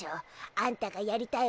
あんたがやりたい